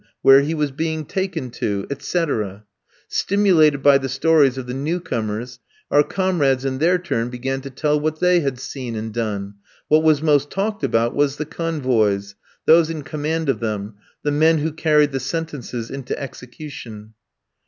where he was being taken to? etc. Stimulated by the stories of the new comers, our comrades in their turn began to tell what they had seen and done; what was most talked about was the convoys, those in command of them, the men who carried the sentences into execution.